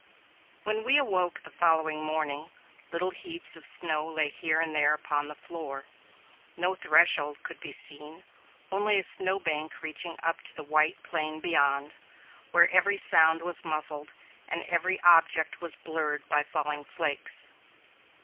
When we awoke the following morning, little heaps of snow lay here and there upon the floor. No threshold could be seen, only a snow bank reaching up to the white plain beyond, where every sound was muffled, and every object was blurred by falling flakes.